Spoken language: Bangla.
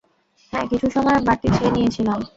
হ্যাঁ, কিছু সময় বাড়তি চেয়ে নিয়েছিলাম।